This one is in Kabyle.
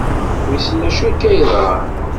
Wissen acu akka yeḍran.